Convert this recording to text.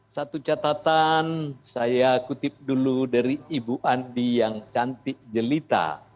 satu catatan saya kutip dulu dari ibu andi yang cantik jelita